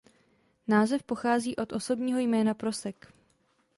Název pochází od osobního jména Prosek.